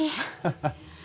ハッハハ。